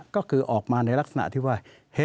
ก็คือออกมาในลักษณะที่ว่า